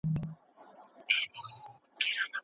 د زمريانو ځاله ده.